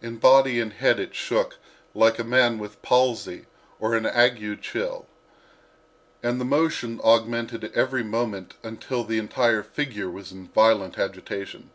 In body and head it shook like a man with palsy or an ague chill, and the motion augmented every moment until the entire figure was in violent agitation.